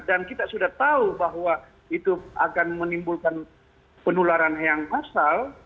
dan kita sudah tahu bahwa itu akan menimbulkan penularan yang massal